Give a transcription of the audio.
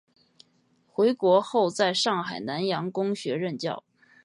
回国后在上海南洋公学任教。